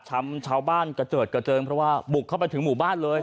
ชาวบ้านกระเจิดกระเจิงเพราะว่าบุกเข้าไปถึงหมู่บ้านเลย